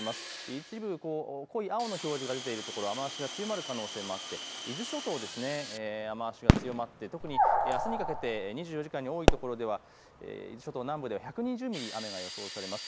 一部、濃い青の表示が出ている所は雨足が強まる所もあって伊豆諸島も雨足が強まって特にあすにかけて２４時間、多い所では伊豆諸島南部では１２０ミリ、雨が予想されます。